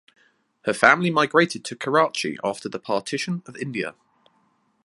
Her family migrated to Karachi after the Partition of India.